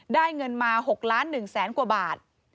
เงินมา๖ล้าน๑แสนกว่าบาท